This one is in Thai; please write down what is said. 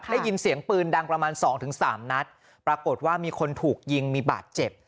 ได้ยินเสียงปืนดังประมาณสองถึงสามนัดปรากฏว่ามีคนถูกยิงมีบาดเจ็บ